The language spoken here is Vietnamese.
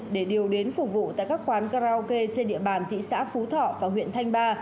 để điều đến phục vụ tại các quán karaoke trên địa bàn thị xã phú thọ và huyện thanh ba